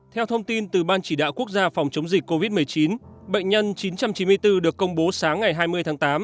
theo thông tin từ ban chỉ đạo quốc gia phòng chống dịch covid một mươi chín bệnh nhân chín trăm chín mươi bốn được công bố sáng ngày hai mươi tháng tám